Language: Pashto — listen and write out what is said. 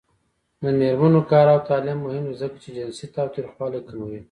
د میرمنو کار او تعلیم مهم دی ځکه چې جنسي تاوتریخوالی کموي.